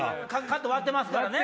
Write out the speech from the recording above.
カット割ってますからね。